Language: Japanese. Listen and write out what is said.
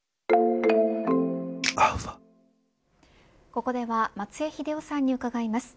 ここでは松江英夫さんに伺います。